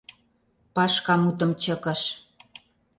— Пашка мутым чыкыш.